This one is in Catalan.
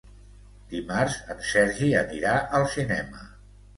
Dimarts en Sergi anirà al cinema.